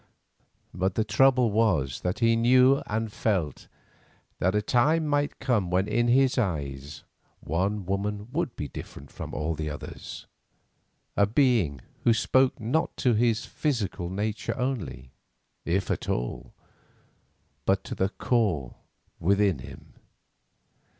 But the trouble was that he knew and felt that a time might come when in his eyes one woman would be different from all others, a being who spoke not to his physical nature only, if at all, but to the core within him.